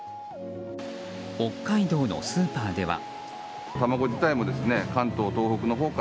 北海道のスーパーでは。